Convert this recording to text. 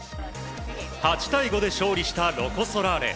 ８対５で勝利したロコ・ソラーレ。